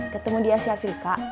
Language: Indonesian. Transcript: ketemu di asia afrika